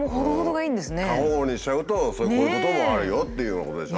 過保護にしちゃうとこういうこともあるよっていうようなことでしょ。